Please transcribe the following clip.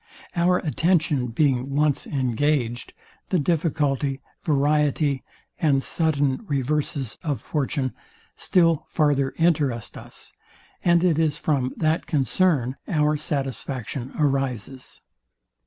Our attention being once engaged, the difficulty, variety, and sudden reverses of fortune, still farther interest us; and it is from that concern our satisfaction arises.